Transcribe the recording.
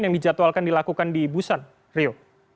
yang dijadwalkan dilakukan di busan rio